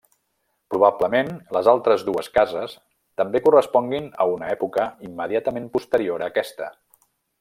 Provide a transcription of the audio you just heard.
Probablement les altres dues cases també corresponguin a una època immediatament posterior a aquesta.